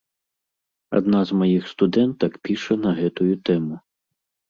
Адна з маіх студэнтак піша на гэтую тэму.